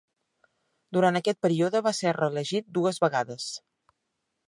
Durant aquest període va ser reelegit dues vegades.